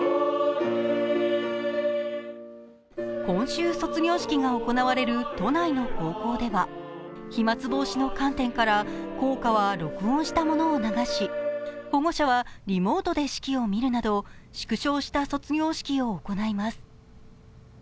今週、卒業式が行われる都内の高校では飛まつ防止の観点から校歌は録音したものを流し保護者はリモートで式を見るなど、縮小した卒業式を行います。